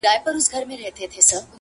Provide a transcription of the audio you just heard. چي پيشو مخي ته راغله برابره.!